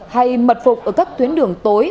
hay mật phục ở các tuyến đường tối